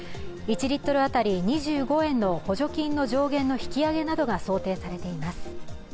１リットル当たり２５円の補助金の上限などが想定されています。